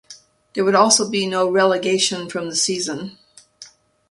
There would also be no relegation from the season.